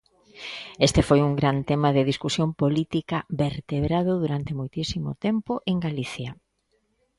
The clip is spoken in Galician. Este foi un gran tema de discusión política vertebrado durante moitísimo tempo en Galicia.